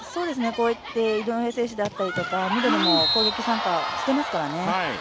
こうやって井上選手だったりとかミドルも攻撃参加していますからね。